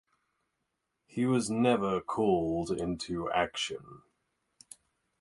He was never called into action.